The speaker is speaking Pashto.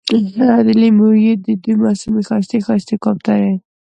د لېمو یې دوې معصومې ښایستې، ښایستې کوترې